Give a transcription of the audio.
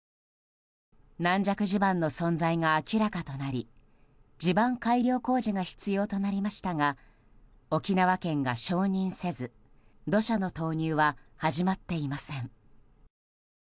軟弱地盤の存在が明らかとなり地盤改良工事が必要となりましたが沖縄県が承認せず土砂の投入は始まっていません。